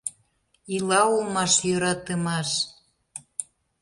Ила улмаш йӧратымаш!